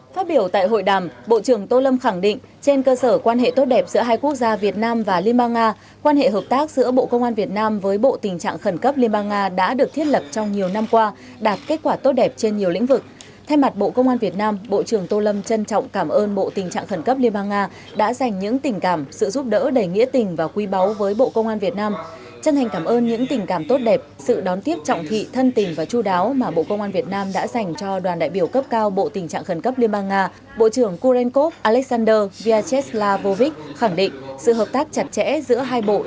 phát biểu tại hội đàm bộ trưởng tô lâm khẳng định trên cơ sở quan hệ tốt đẹp giữa hai quốc gia việt nam và liên bang nga đã được thiết lập trong nhiều năm qua đạt kết quả tốt đẹp như bốn tình cảm sự giúp đỡ đầy nghĩa tình và quy báu với bộ tình trạng khẩn cấp liên bang nga